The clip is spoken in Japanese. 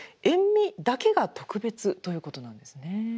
塩味だけが特別ということなんですね。